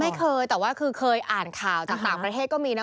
ไม่เคยแต่ว่าคือเคยอ่านข่าวจากต่างประเทศก็มีนะ